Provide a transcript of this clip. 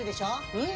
うん？